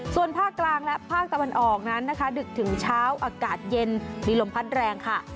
ส่วนภาคกลางและภาคตะวันออกนั้นนะคะดึกถึงเช้าอากาศเย็นมีลมพัดแรงค่ะ